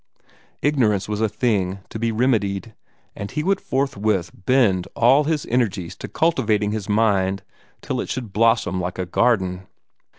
Ignorance was a thing to be remedied, and he would forthwith bend all his energies to cultivating his mind till it should blossom like a garden.